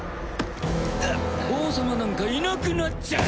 王様なんかいなくなっちゃえ！